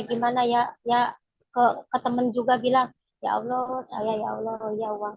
gimana ya ya ke temen juga bilang ya allah saya ya allah ya uang saya sekian jadi segitu punya